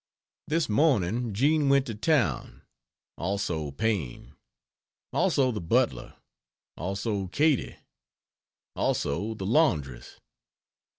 This morning Jean went to town; also Paine; also the butler; also Katy; also the laundress.